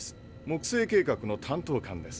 木星計画の担当官です。